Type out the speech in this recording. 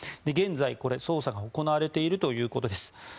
現在、これは捜査が行われているということです。